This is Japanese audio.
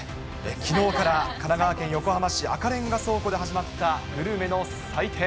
きのうから神奈川県横浜市、赤レンガ倉庫で始まったグルメの祭典。